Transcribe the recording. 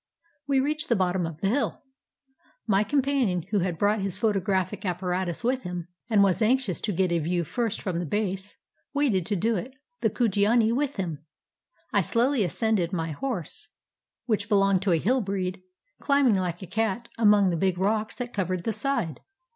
We reached the bottom of the hill. My companion, who had brought his photographic apparatus with him, and was anxious to get a view first from the base, waited to do it, the Kujiani with him. I slowly ascended; my horse, which belonged to a hill breed, climbing Hke a cat among the big rocks that covered the side.